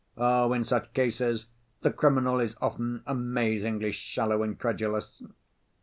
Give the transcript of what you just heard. Oh, in such cases the criminal is often amazingly shallow and credulous.